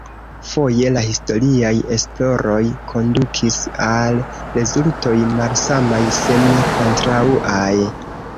Foje la historiaj esploroj kondukis al rezultoj malsamaj se ne kontraŭaj.